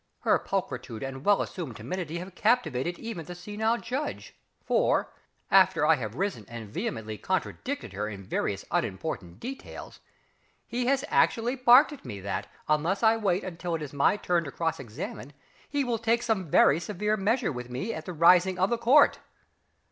Her pulchritude and well assumed timidity have captivated even the senile Judge, for, after I have risen and vehemently contradicted her in various unimportant details, he has actually barked at me that, unless I wait until it is my turn to cross examine he will take some very severe measure with me at the rising of the Court!